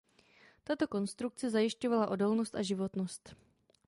Tato konstrukce zajišťovala odolnost a životnost.